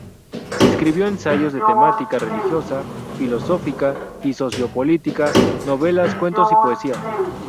Escribió ensayos de temática religiosa, filosófica y socio-política, novelas, cuentos y poesía.